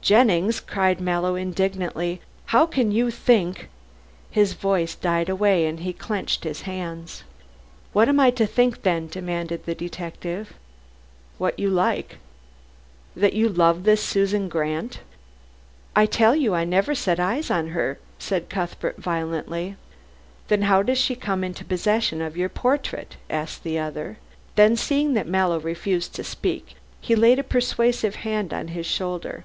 "Jennings," cried Mallow indignantly, "how can you think " his voice died away and he clenched his hands. "What am I to think then?" demanded the detective. "What you like." "That you love this Susan Grant?" "I tell you I never set eyes on her," said Cuthbert violently. "Then how does she come into possession of your portrait?" asked the other. Then seeing that Mallow refused to speak, he laid a persuasive hand on his shoulder.